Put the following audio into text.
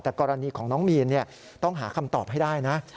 แต่กรณีของน้องมีนต้องหาคำตอบให้ได้นะ